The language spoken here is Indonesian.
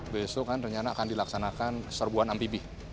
besok kan ternyata akan dilaksanakan serbuan ampibih